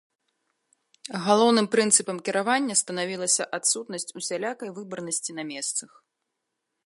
Галоўным прынцыпам кіравання станавілася адсутнасць усялякай выбарнасці на месцах.